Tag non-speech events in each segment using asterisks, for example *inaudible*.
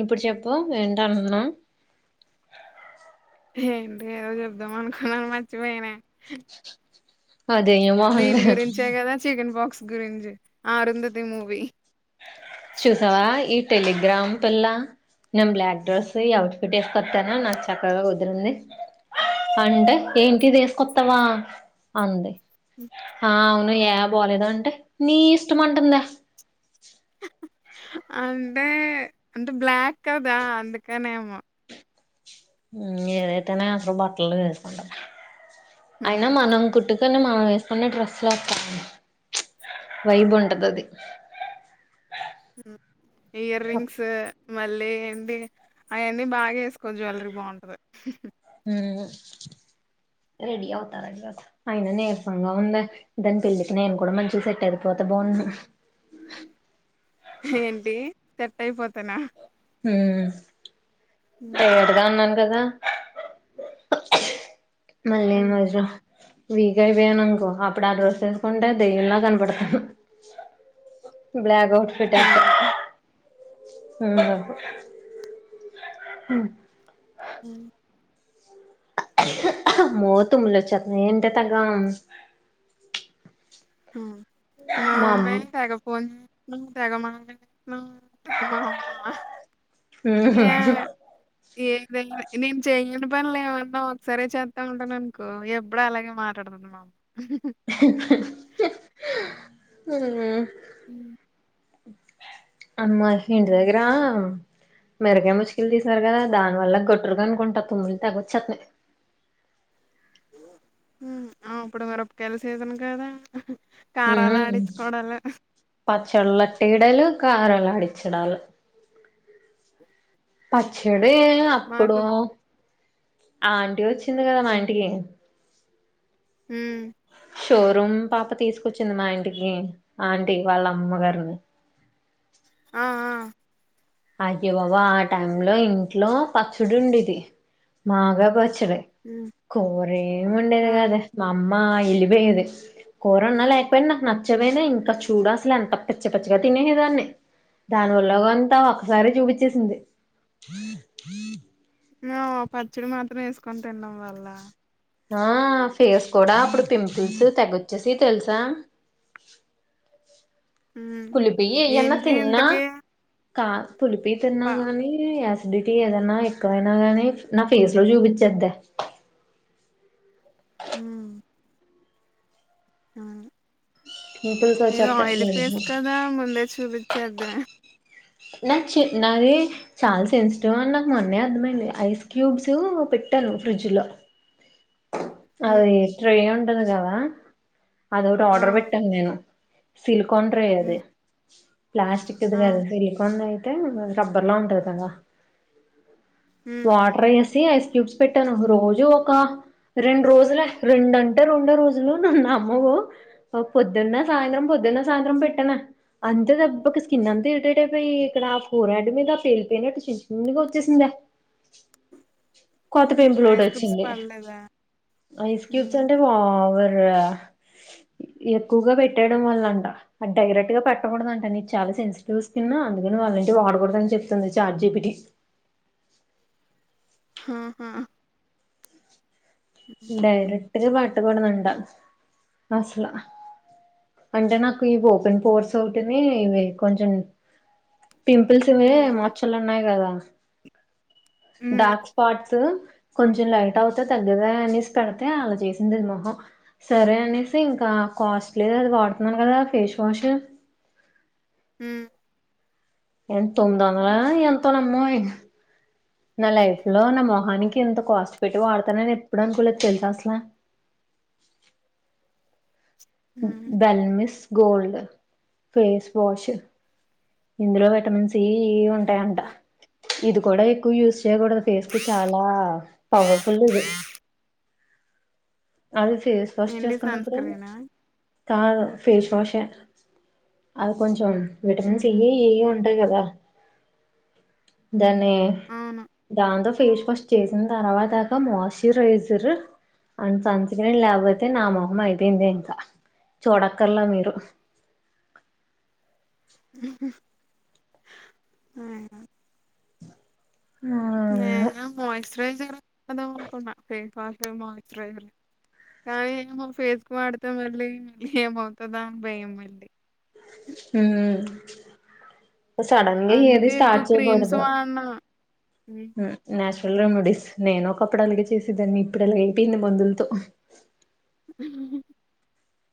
ఇప్పుడు చెప్పు ఇప్పు వేంటనే ఉన్న ఏంటే ఏదో చెప్దాం అనుకున్నాను మర్చిపోయానే ఉమ్ అదే దీని మోహంది గురించే కదా చికెన్ బాక్స్ గురుంజి ఆ ఆరుంధతి మూవీ చూశావా ఇ టెలిగ్రామ్ పిల్ల నేను బ్లాక్ డ్రెస్ అవుట్ ఫిట్ వేసుకొస్తానా నాకు చక్కగా కుదిరింది అంటే ఏంటిది వేసుకొస్తావా అంది ఆ అవును ఏ బోలేదు అంటే నీ ఇష్టం అంటుందా అంటే అంటే బ్లాక్ కదా అందుకనేమో ఏదైతేనే అసలు బట్టలు వేసుకోంటాను హ్మ్ అయినా మనం కుట్ పొద్దున్నే మానం వేసుకునే డ్రెస్సులా పైన వైబ్ ఉంటది అది ఇయర్ రింగ్స్ మళ్ళీ ఏంటి అవన్నీ బాగా వేసుకో జ్యువెలరీ బాగుంటది ఉమ్ రెడీ అవుతారు అయిన నేర్సంగా ఉందే దాని పెళ్ళికి నేను కూడా మంచి సెట్ అయిపోతా బాగును ఏంటి సెట్ అయిపోతానా హమ్ ఉమ్. ఎవరిగా ఉన్నాను కదా ఆ మళ్ళీ ఉమ్. మజా వీక్ అయిపోయాను అనుకో అప్పుడు ఆ డ్రెస్ వేసుకుంటే దయ్యంలా కనపడతాను బ్లాక్ ఔట్ ఫిట్ అతే అవును అమ్ అ మోతుములో వచ్చతనయి ఏంటే తగం హమ్ మా ప్రెండ్ తేగా ఫోన్ న తేగమామ్మా అమ్మా ఆ హుహ ఏద నేను చెయని పనులు ఏమన్నా ఒకసారి చేస్తా ఉంటాను అనుకో ఎప్పుడ అలాగే మాట్లాడుతుండి మామ ఆ *unintelligible* అమ్ అమ్మా ఇంటి దగ్గరా మెరుగే ముష్కలు తీసారు కదా దాని వల్ల గట్టురుగా అనుకుంటా తుమ్ములు తగొచ్చుతనయి ఆ ఇప్పుడు మిరప కాయల సీజన్ కదా హు కారాలు ఆడించుకోవడాలు. పచ్చలెటయాడాలు కారలు ఆడిచ్చడాాలు హ్మ్. పచ్చడి అప్పుడు మాకు ఆ ఆంటిీ వచ్చింది కదా మా ఇంటికి హు షోరూమ్ పాప తీసుకొచ్చింది మా ఇంటికి ఆంటీ వాళ్ళ అమ్మ గారిని ఆ ఆ అయ్య బాబోయ్ ఆ టై లో ఇంట్లో పచ్చడి ఉండడిేది మాకాయి పచ్చ చ్చడి హ్మ్. కూర ఏం ఆ! ఉండేదికాదే మా అమ్ మ్మ వెళ్ళపోయేది కూరన్నా లేకపోయినా నాకు నచ్చపోయినా ఇంకా చూడు అసలు ఎంత పచ్చ పచ్చగా తినేసే దాన్ని దాని వల్ల అంత సరే చూపించేసింది ఆ పచ్చడి మాత్రం వేసుకొని తినడం వల్ళ ఆ ఫేస్ కూడా అప్పుడు పింపుల్స్ తగ్గొచ్చేసి తెలుసా హ్మ్. కుల్లిపోయి ఏయ్యన్న ఏంటి తిన్నా ఇంతకీ కా కుళ్ళిపోయి ప తిన్నా గాని య అటి ఏదన్నా ఎక్కవైనా గానీ నా ఫేస్ లో చూపిిచేద్దె హు అవును పింపుల్స్ నిది వచ్చేత్తాయి ఆయిలీ పేస్ వెంటనే కదా ముందే చూపించేద్దె నా నాది చాలా సెన్సిటివ్ అని నాకు మొన్నే అర్థమైంది ఐస్ క్యూబ్స్ పెట్టాను ఫ్రిడ్జ్ లో హ్మ్. అదే ట్రే ఉంట టది కదా అదొట్టి ఆ! ఆర్డర్ పెట్టాను నేను సిలుకండ్ర హ్మ్. అది ప్లాస్టిక్ కదా ఆ! విరిగిపోయినాయి రబ్బర్లాలా ఉంటది కదా హ్మ్. వాటర్ ఏసి ఐస్ క్యూప్స్ పెట్టాను రోజు ఒక రెండు రోజులే రెండుంటే రెండో రోజులు నన్న అమ్మ పొద్దున్న సాయంత్రం పొద్దున్న సాయంత్రం పెట్టన అంత దెబ్బకి స్కిన్ అంత ఏటటే పయి ఇక్కడ ఆ ఫోర్ హడ్ మీద ఆ పేలిపోయినట్టు చిన్న చిన్నగా వచ్చేసిందే కొత్త హుహు. పెంపులోటి ఐస్ క్యూబ్స్ వచ్చింది పడలేదా? ఐస్ హ్మ్. క్యూబ్స్ అంటే పో పవర్ ఎక్కువగా పెట్టేయడం వల్ల అంట డైరెక్ట్ గా పెట్టకూడదు అంట నీ చాలా సెన్సిటివ్ స్కిన్ అందుకని వాళ్ళ ఇంటి వాడకూడదని చెప్తుంది చార్జీపిటి హాహా డైరెక్ట్ గా పె ట్టకూడదంట అసలు అంటే నాకు ఇ ఓపెన్ పోర్స్ ఒకటిని ఇవి కొంచెం పింపుల్స్ ఇవి హ్మ్ మచ్చలు ఉన్నాయి కదా డార్క్ స్పాట్స్ త కొంచెం లైట్ అవుతా తగ్గదా అనేసి పెడితే అలా చేసింది మొహం సరే అనేసి ఇంకా కాస్ట్లీ అది వాడుతున్నా కదా ఫేస్ వాష్ ఉ ఎన్ తొమ్మిదివందల ఎంతో నమ్మోయి నా లైఫ్ లో నా మొహానికి ఎంత కాస్ట్ పెట్టి వాడతానని ఎప్పుడు అనుకోలేదు తెలుసా అసలా ఉ హ్మ్ బాలమిస్ గోల్డ్ ఫేస్ వాష్ ఇందులో విటమిన్ సి ఉ ఉంటాయి అంట ఇది కూడా ఎక్కువ యూస్ చెయ్యకూడదు ఫేస్ కి చాలా పవర్ ఫుల్ ఇది అది ఫేస్ వాష్ ఏంటి సన్ చేసుకున్నప్పుడు స్క్రీనా కాదు ఫేస్ వాషే అది కొంచెం విటమిన్ సి, ఉహు ఈ ఉన్ అంతే కదా దాన్ని అవును దాంతో ఫేస్ వాష్ చేసిన తర్వాత క మాయిశ్చరైజర్ కానీ సన్ స్క్రీన్ లేకపోతే నా మొహం అయిపోయింది ఇంకా చూడక్కర్లా మీరు ఉ హు ఆ హ నేను గాని మాయిశ్చరైజర్ వాడుదాం అనుకున్నా ఫేస్ వాష్ మాయిశ్చరైజర్ కానీ ఏమో ఫేస్ కు వాడితే మళ్ళీ ఏమవుతదా అని భయం మళ్ళీ హూ సడన్గా ఏది అందుకే ఎక్కువ స్టార్ట్ క్రీమ్స్ చేయకూడదు వాడను ఉ నాచురల్ ఎల్లో మెడీస్ నేను ఒకప్పుడు అలాగే చేసేదాన్ని ఇప్పుడు అలాగ అయిపోయింది మందులతో హు హు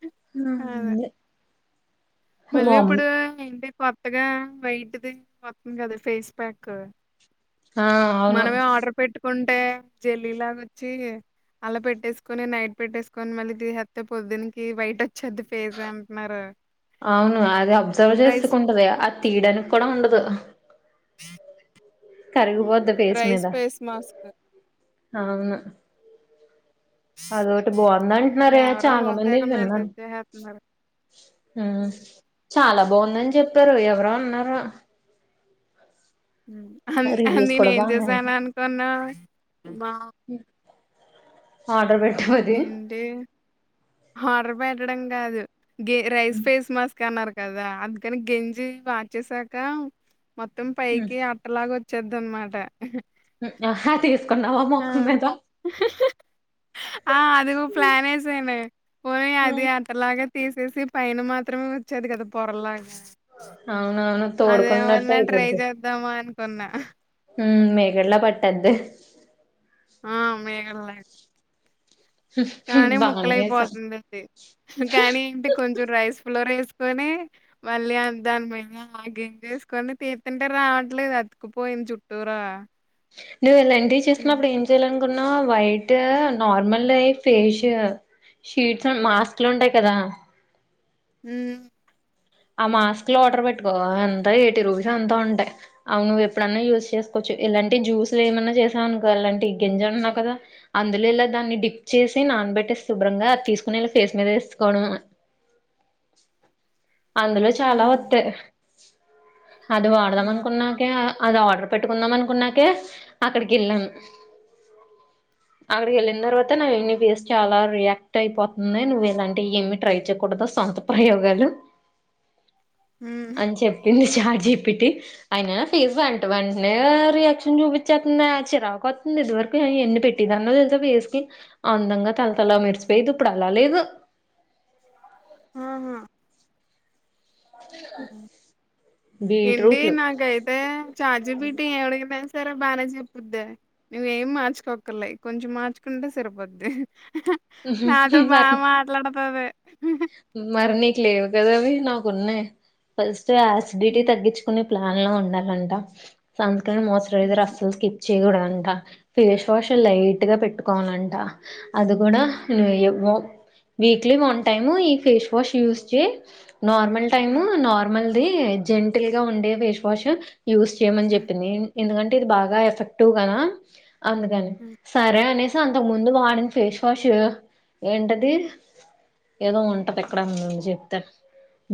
హు అంతే మళ్ళీ ఇప్పుడు ఇంటి పప్ త్తగా వైట్ది *inaudible* కదా ఫేస్ ప్యాక్ ఆ అవును టె జల్లీ లాగ వచ్చి అలా పెట్టేసుకొని నైట్ పెట్టేసుకొని మళ్ళీ తీసేత్తే పొద్దునికి వైట్ తే అవును అది అబ్జర్వ్ రైస్ చేసుకుంటది ఆ తీడానికి కూడా ఉండదు స ఆ కరిగిపోద్ది ఫేస్ మీద మాస్క్ అవును అదొటి బాగుందంటన్నారే ఎవరో చాలా ఓ మంది తెగ విన్నాను మెసేజ్ చేసేత్తున్నారు. ఉమ్ చాలా బాగుందని చెప్పారు ఎవరో ఉన్నారు హం హం రివ్యూస్ నేను కూడా ఏం బాగున్నాయంట చేసాను అనుకున్నావు బా ఆడ్రబెట్ ఇంతే హార్డర్బే ఉండడం గాదు గి రైస్ ఫేస్ మాస్క్ అన్నారు కదా అందుకని గెంజి వార్చేసాకా మొత్తం ఉమ్, పైకీ అట్టలాగ వచ్చ చేద్దన్మాట ఆహ తీ ఆ హ్ హ్ ఆ అదిగు ప్లానేసేనే పోని అది అతలాగ తీసేసి పైన మాత్రమే వచ్చేది కదా పొరలాగా అవునవును అదేమన్న తోడుకున్నట్టు ట్రై చేద్దామ అనుకున్నా ఉమ్ మేఘడ్ల పట్టద్దె ఆ మె ఎమ్మరి కానీ బానే చేసావ్ ముక్కలైపోతుందిడి కానీ ఇంటి కొంచెం రైస్ ఫ్లోర్ ఏస్ కొని మళ్ళీ దాని మీద మా గేంగేసుకొని తీత్తింటే రావట్లేదు అది పోయించుట్టూరా ఛ నువ్వు ఇలాంటివి చేసినప్పుడు ఏం చేయాల కొన్న white normal face sheets mask లు ఉంటాయి కదా ఊయ్ ఆ మాస్క్ లో ఆర్డర్ పెట్టుకో ఎంత ఎటీ రూపీస్ ఎంతో ఉంటయి అవునువ్వు ఎప్పుడన్నా యూజ్ చేసుకోవచ్చు ఇలాంటి జ్యూస్లు ఏమన్నా చేసావునుకో ఎలాంటి గింజ అన్నా కదా అందులో ఇలా దాన్ని డిప్ చేసి నానబెట్టేసి శుభ్రంగా అది తీసుకుొనిళ్ళ ఫేస్ మీద వేసుకోవడంని అందులొ చాలా హుహు. వత్తయి అది వాడదం ఆ! అనుకున్నాకే అది ఆర్డర్ పెట్టుకుందాం అనుకున్నాకె అక్కడికి వెళ్ళామ్ అక్కడికి వెళ్ళిన తర్వాత నా వెన్ని ఫేస్ చాలా రియాక్ట్ అయిపోతుంది నువ్వు ఎలాంటివి ఏమి ట్రై చేయకూడదు సొంత ప్రయోగాలు హ్మ్. అన్ చెప్పింది ఛాడ్జీబిటి ఆయన ఫేస్ వెంట వెంటనే రియాక్షన్ చూపించేస్తుంది చిరాకు వస్తుంది ఇదివరకు ఎన్ని పెట్టిదాన్నో తెలుస ఫేస్ కి అందంగా తలతల మెరిసిపోయేది ఇప్పుడు అలా లేదు ఆహా ఏంటి బీట్రూట్లు నాకు ఐతే చాడ్జీబిటి ఎవడికి తెలుసు సరే బానే చెప్పుకుంటారు నువ్ ఏమ్ మార్చుకోక్కర్లే కొంచెం మార్చుకుంటే సరిపోద్ది నాతొ బాగ వాటిని మాట్లాడ అవె కొన్నా ఫస్ట్ సో ఆసిడిటీ హ్మ్. తగ్గించుకుని ప్లాన్ లో ఉండాలంట మోశారీజేర్ హ్మ్. అస్సలు స్కిన్ చేయకూడదంట ఫేష్ వాష్ లైట్ గా పెట్టుకోవాలంట అది కూడా వీక్లీ టైము ఈ ఫేస్వాష్ యూస్ చే నార్మల్ టైమ్ నార్మల్ అది జెంటిల్ గా ఉండే ఫేస్ వాష్ యూజ్ చేయ్యమని హ్మ్. చెప్పింది ఎందుకంటే ఇది బాగా ఎఫెక్టివ్ నా అందుకని హ్మ్. సరే అని అంతకు ముందు వాడిన ఫేస్ వాష్ ఏంటది ఏదో ఉంటది ఎక్కడ నేను జెప్తాను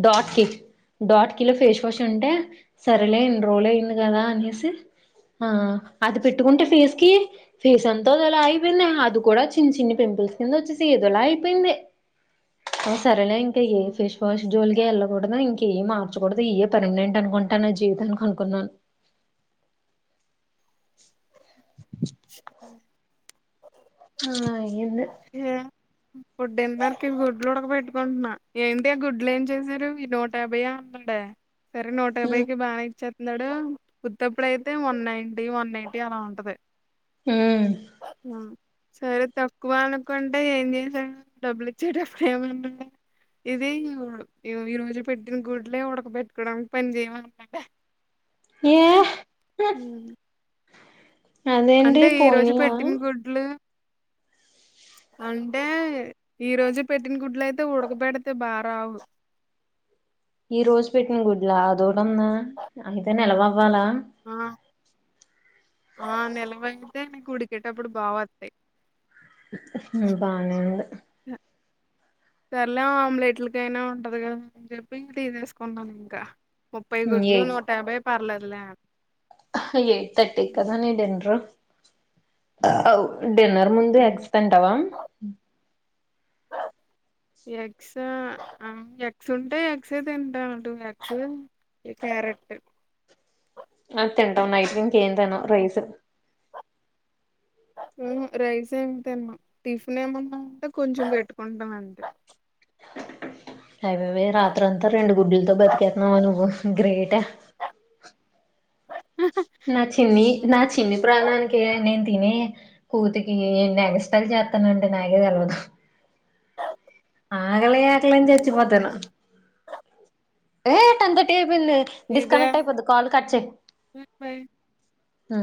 డాట్ కీ డాట్ కీలో ఫేస్ వాష్ ఉంటే సరలే ఇన్ని రోల్ అయ్యంది గదా అనేసి ఆ అది పెట్టుకుంటే ఫేస్ కి ఫేస్ అంత అదోలా అయిపోయింది అది కూడా చిన్ని చిన్ని పింపుల్స్ కింద వచ్చేసి ఏదోలా అయిపోయింది ఆ సరేలే ఇంకా ఏ ఫేస్ వాష్ జోలికి యెళ్ళకూడదు ఇంక ఏ మార్చకూడదు ఏ పర్మినెంట్ అనుకుంటాను నా జీవితానికి అనుకున్నాను ఆ ఆ ఏంలేదు ఫుడ్ ఎంతరకి గుడ్లు ఉడక పెట్టుకుంటున్నా ఏంటి ఆ గుడ్లు ఏం చేసారు ఈ నూట యాభై ఉందండే సరె ఉ నూటయభయ్ కి బా ఇచ్చా ఇందడు ఉత్తప్పుడుయితే వన్ నైటీ వన్ ఎయిటీ అలా ఉంటది ఉ ఆ సరే తప్ప ఎక్కువ అనుకుంటే ఏం చేసాడు డబ్బులు ఇచ్చేటప్పుడు ఏమంటే ఇది ఈ రోజు పెట్టిన గుడ్లే ఉడక పెెట్టుకోవడానికి పని చేయమన్నాంటే ఏ ఉ అదేంటి అంటే ఈ రోజు పోయినయా పెట్టిన గుడ్లు అంటే ఈ రోజు పెట్టిన గుడ్లు అయితే ఉడకబెడితే బా రావు ఈ రోజు పెట్టిన గుడ్లా అదోటుంద అయితే నిలవవ్వాలా ఆ ఆ నిలవైతే నీకు ఉడికేటప్పుడు బాగొత్తయి బానే ఉంది సర్లే ఆమ్లెట్లకైనా ఉంటది కదా అని చెప్పి ఇంక తీసేసుకున్నాను ఇంకా ముప్పై గుడ్లు ఎయిట్ నూట యాభై పర్లేదూలే ఎయిట్ థర్టీ కదా నీ డిన్రు అవు డిన్నర్ ముందు ఉమ్. ఎగ్స్ తింటవ ఎగ్స్ ఎగ్స్ ఉంటే ఎగ్స తింటా టు ఎగ్స్ క్యారెట్ ఆ తింటన్న ఇవ్వు ఏం తిను రైస్ ఊహు రైసే తింటా టిఫిన్ ఏమన్న ఉంటె కొంచెం పెట్టుకుంటా అంతే అవవే రాత్ర అంతా రెండు గుడ్డులతో బతికేతున్నాం అను గ్రేట. నా చిన్ని ఉమ్, నా చిన్ని ప్రాణానికి నేను. తినే కూతుకి ఎన్ని ఎగస్టాల్ చేస్తానంటే నాకే తెల్వదు ఆగలే ఆకలే న్ చచ్చి పోతన ఏ తందటి ల్ ఇదే డిస్కనెక్ట్ అయిపోతుది కాల్ కట్చే. బయ ఆ